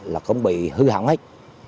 là cũng bị hư hẳn hết